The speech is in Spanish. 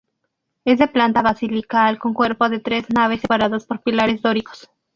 Es de planta basilical con cuerpo de tres naves separadas por pilares dóricos.